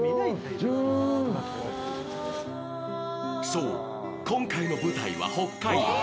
そう、今回の舞台は北海道。